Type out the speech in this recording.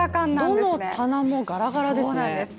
どの棚もガラガラですね。